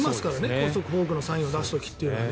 高速フォークのサインを出す時というのは。